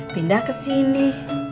pindah ke sini